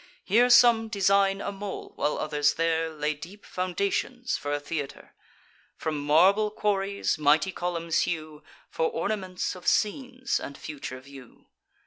Here some design a mole, while others there Lay deep foundations for a theatre; From marble quarries mighty columns hew, For ornaments of scenes, and future view.